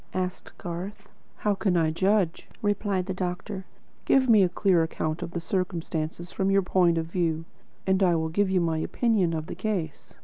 asked Garth. "How can I judge?" replied the doctor. "Give me a clear account of the circumstances from your point of view, and I will give you my opinion of the case."